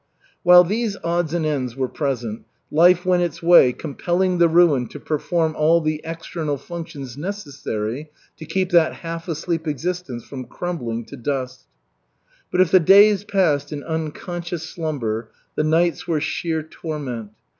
While these odds and ends were present, life went its way compelling the ruin to perform all the external functions necessary to keep that half asleep existence from crumbling to dust. But if the days passed in unconscious slumber, the nights were sheer torment.